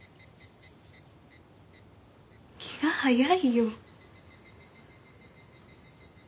気が早いよ。